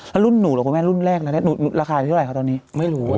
แล้วรุ่นหนูหรอกว่าแม่รุ่นแรกราคาที่เท่าไรครับตอนนี้ไม่รู้